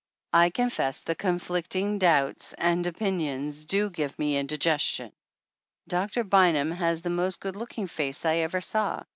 "I confess the 'conflicting doubts and opin 237 THE ANNALS OF ANN ions' do give me indigestion. Doctor Bynum lias the most good looking face I ever saw.